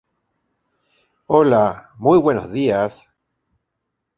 It also operates charter services around New Zealand.